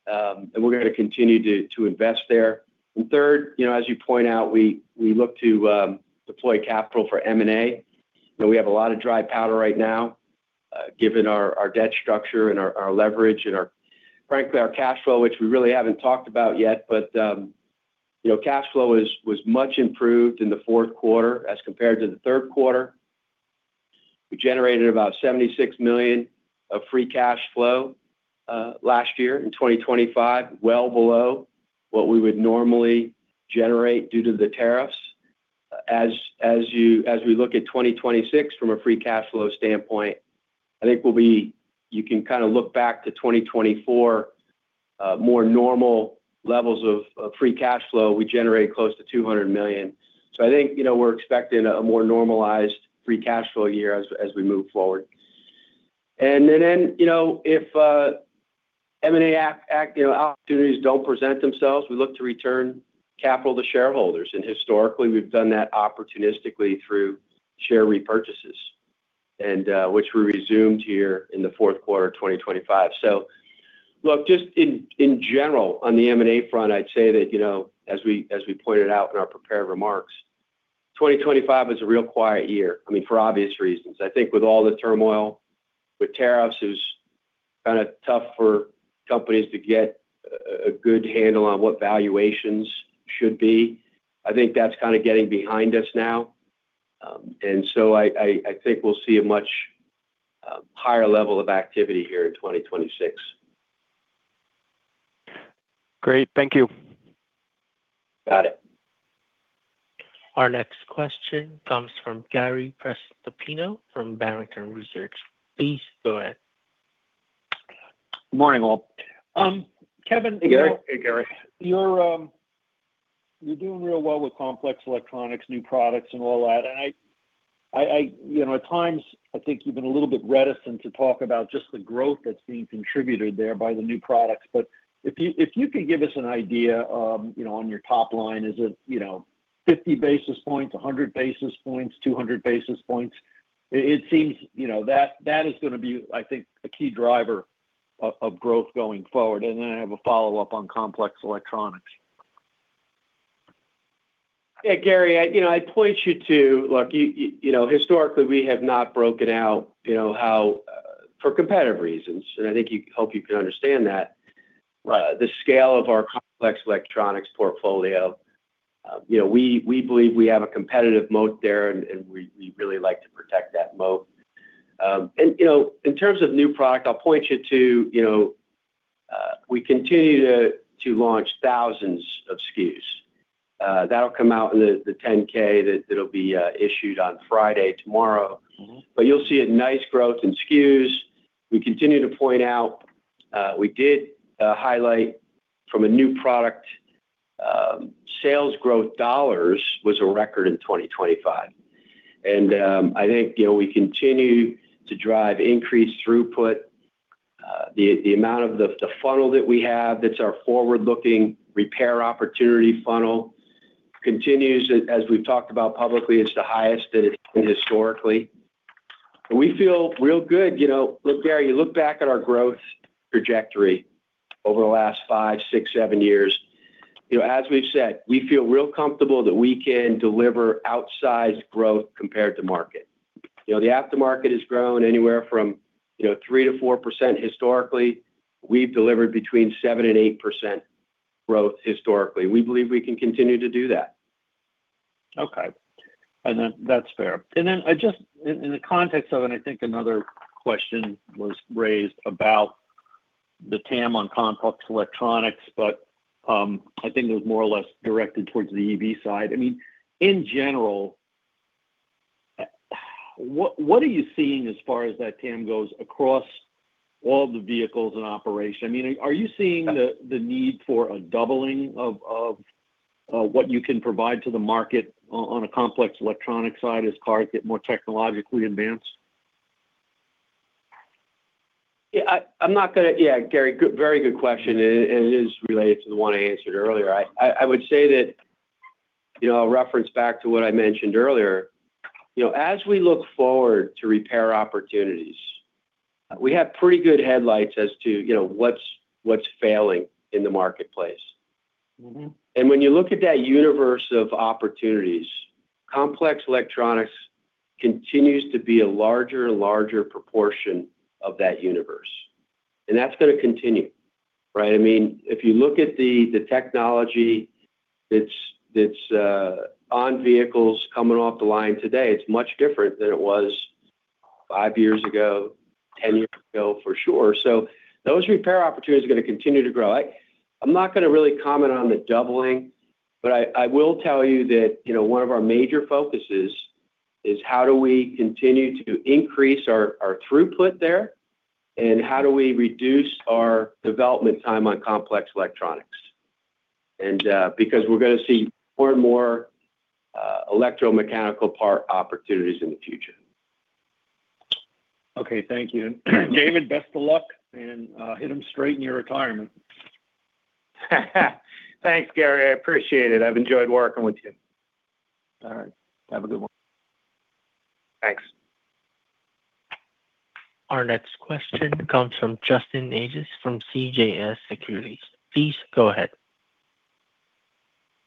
and we're gonna continue to invest there. Third, you know, as you point out, we look to deploy capital for M&A. We have a lot of dry powder right now, given our debt structure and our leverage and our, frankly, our cash flow, which we really haven't talked about yet. You know, cash flow is, was much improved in the fourth quarter as compared to the third quarter. We generated about $76 million of free cash flow last year in 2025, well below what we would normally generate due to the tariffs. As we look at 2026 from a free cash flow standpoint, I think we'll be, you can kinda look back to 2024, more normal levels of free cash flow. We generate close to $200 million. I think, you know, we're expecting a more normalized free cash flow year as we move forward. Then, you know, if M&A, you know, opportunities don't present themselves, we look to return capital to shareholders. Historically, we've done that opportunistically through share repurchases, and which we resumed here in the fourth quarter of 2025. Look, just in general, on the M&A front, I'd say that, you know, as we, as we pointed out in our prepared remarks, 2025 is a real quiet year. I mean, for obvious reasons. I think with all the turmoil, with tariffs, it was kinda tough for companies to get a good handle on what valuations should be. I think that's kinda getting behind us now. I think we'll see a much higher level of activity here in 2026. Great. Thank you. Got it. Our next question comes from Gary Prestopino from Barrington Research. Please go ahead. Morning, all. Hey, Gary. Hey, Gary. You're doing real well with complex electronics, new products, and all that. I, you know, at times I think you've been a little bit reticent to talk about just the growth that's being contributed there by the new products. If you could give us an idea, you know, on your top line, is it, you know, 50 basis points, 100 basis points, 200 basis points? It seems, you know, that is gonna be, I think, a key driver of growth going forward. I have a follow-up on complex electronics. Yeah, Gary, I, you know, I point you to. Look, you know, historically, we have not broken out, you know, how, for competitive reasons, and I think you, hope you can understand that. Right The scale of our complex electronics portfolio. You know, we believe we have a competitive moat there, and we really like to protect that moat. You know, in terms of new product, I'll point you to, you know, we continue to launch thousands of SKUs. That'll come out in the 10-K that'll be issued on Friday, tomorrow. Mm-hmm. You'll see a nice growth in SKUs. We continue to point out, we did highlight from a new product, sales growth dollars was a record in 2025. I think, you know, we continue to drive increased throughput. The amount of the funnel that we have, that's our forward-looking repair opportunity funnel, continues to, as we've talked about publicly, it's the highest that it's been historically. We feel real good. You know, look, Gary, you look back at our growth trajectory over the last five, six, seven years, you know, as we've said, we feel real comfortable that we can deliver outsized growth compared to market. You know, the aftermarket has grown anywhere from, you know, 3%-4% historically. We've delivered between 7%-8% growth historically. We believe we can continue to do that. Okay. That's fair. I just, in the context of it, I think another question was raised about the TAM on complex electronics. I think it was more or less directed towards the EV side. In general, what are you seeing as far as that TAM goes across all the vehicles in operation? Are you seeing the need for a doubling of what you can provide to the market on a complex electronic side as cars get more technologically advanced? Gary, good, very good question, and it is related to the one I answered earlier. I would say that, you know, I'll reference back to what I mentioned earlier. You know, as we look forward to repair opportunities, we have pretty good headlights as to, you know, what's failing in the marketplace. Mm-hmm. When you look at that universe of opportunities, complex electronics continues to be a larger and larger proportion of that universe. That's gonna continue, right? I mean, if you look at the technology that's on vehicles coming off the line today, it's much different than it was 5 years ago, 10 years ago, for sure. Those repair opportunities are gonna continue to grow. I'm not gonna really comment on the doubling, but I will tell you that, you know, one of our major focuses is how do we continue to increase our throughput there, and how do we reduce our development time on complex electronics. Because we're gonna see more and more electromechanical part opportunities in the future. Okay, thank you. David, best of luck, and hit them straight in your retirement. Thanks, Gary. I appreciate it. I've enjoyed working with you. All right. Have a good one. Thanks. Our next question comes from Justin Ages from CJS Securities. Please go ahead.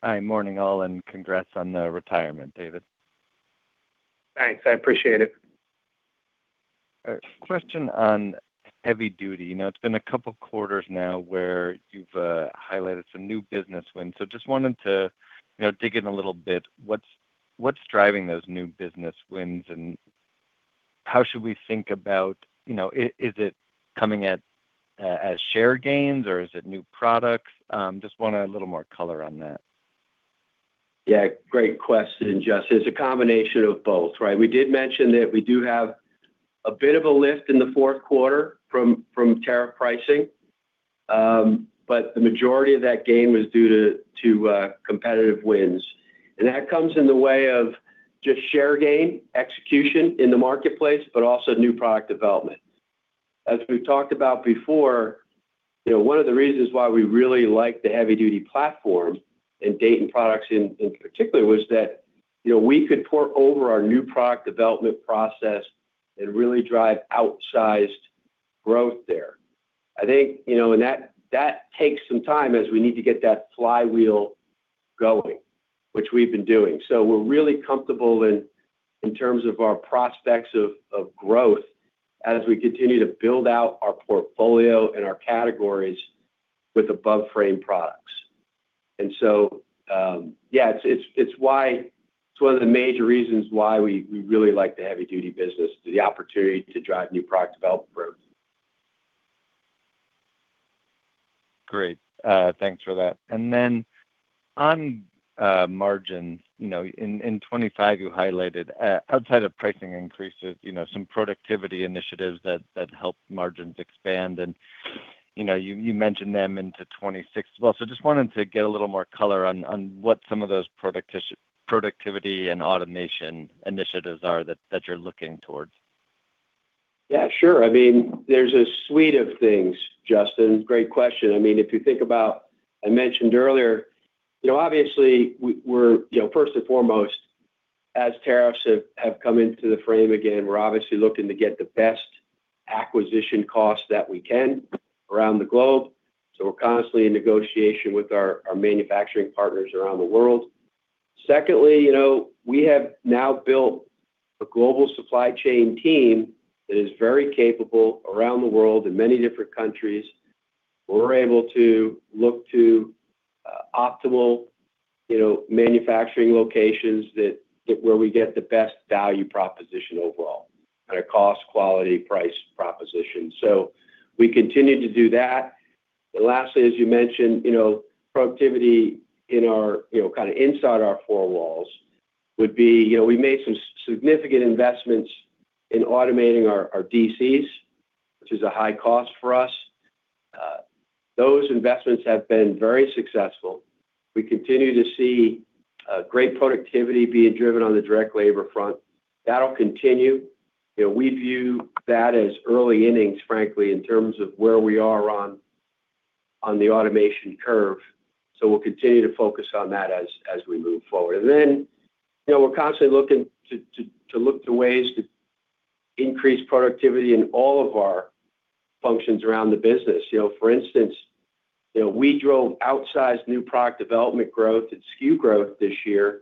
Hi, morning all, and congrats on the retirement, David. Thanks, I appreciate it. Question on heavy duty. You know, it's been a couple quarters now where you've highlighted some new business wins. Just wanted to, you know, dig in a little bit, what's driving those new business wins, and how should we think about, you know, is it coming as share gains, or is it new products? Just want a little more color on that. Yeah, great question, Justin. It's a combination of both, right? We did mention that we do have a bit of a lift in the fourth quarter from tariff pricing, but the majority of that gain was due to competitive wins. That comes in the way of just share gain, execution in the marketplace, but also new product development. As we've talked about before, you know, one of the reasons why we really like the heavy-duty platform and Dayton Products in particular, was that, you know, we could port over our new product development process and really drive outsized growth there. I think, you know, that takes some time as we need to get that flywheel going, which we've been doing. We're really comfortable in terms of our prospects of growth as we continue to build out our portfolio and our categories with above-frame products. Yeah, it's why it's one of the major reasons why we really like the heavy duty business, the opportunity to drive new product development growth. Great. Thanks for that. On margin, you know, in 25, you highlighted, outside of pricing increases, you know, some productivity initiatives that helped margins expand, and, you know, you mentioned them into 26 as well. Just wanted to get a little more color on what some of those productivity and automation initiatives are that you're looking towards. Yeah, sure. I mean, there's a suite of things, Justin. Great question. I mean, if you think about, I mentioned earlier, you know, obviously, we're, you know, first and foremost, as tariffs have come into the frame again, we're obviously looking to get the best acquisition costs that we can around the globe, so we're constantly in negotiation with our manufacturing partners around the world. Secondly, you know, we have now built a global supply chain team that is very capable around the world in many different countries. We're able to look to optimal, you know, manufacturing locations that where we get the best value proposition overall at a cost, quality, price proposition. We continue to do that. Lastly, as you mentioned, you know, productivity in our, you know, kind of inside our four walls would be, you know, we made some significant investments in automating our DCs, which is a high cost for us. Those investments have been very successful. We continue to see great productivity being driven on the direct labor front. That'll continue. You know, we view that as early innings, frankly, in terms of where we are on the automation curve, so we'll continue to focus on that as we move forward. Then, you know, we're constantly looking to look to ways to increase productivity in all of our functions around the business. You know, for instance, you know, we drove outsized new product development growth and SKU growth this year,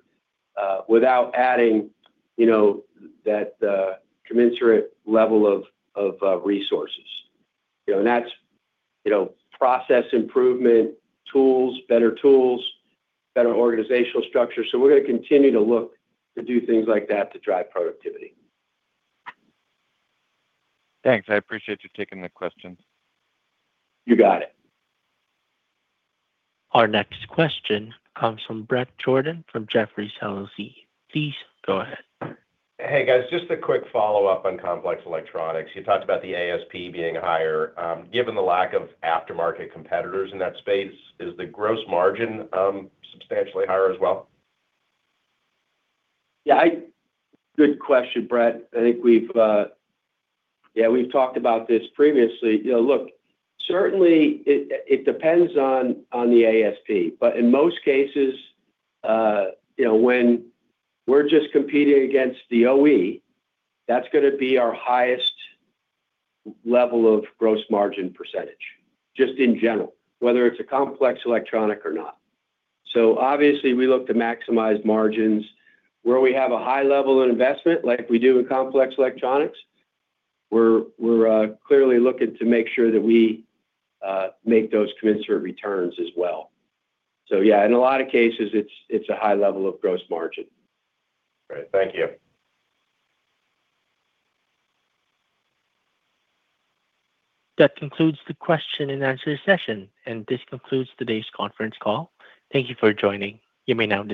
without adding, you know, that commensurate level of resources. You know, and that's, you know, process improvement tools, better tools, better organizational structure. We're going to continue to look to do things like that to drive productivity. Thanks. I appreciate you taking the questions. You got it. Our next question comes from Bret Jordan, from Jefferies LLC. Please go ahead. Hey, guys, just a quick follow-up on complex electronics. You talked about the ASP being higher. Given the lack of aftermarket competitors in that space, is the gross margin substantially higher as well? Yeah, good question, Bret. I think we've, yeah, we've talked about this previously. You know, look, certainly it depends on the ASP, but in most cases, you know, when we're just competing against the OE, that's gonna be our highest level of gross margin percentage, just in general, whether it's a complex electronic or not. Obviously, we look to maximize margins where we have a high level of investment, like we do in complex electronics. We're clearly looking to make sure that we make those commensurate returns as well. Yeah, in a lot of cases, it's a high level of gross margin. Great. Thank you. That concludes the question and answer session. This concludes today's conference call. Thank you for joining. You may now disconnect.